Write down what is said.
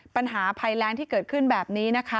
ปัญหาภัยแรงที่เกิดขึ้นแบบนี้นะคะ